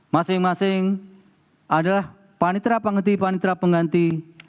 masing masing adalah panitra penghenti panitra penghenti